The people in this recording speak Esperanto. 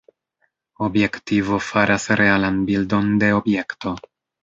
Objektivo faras realan bildon de objekto.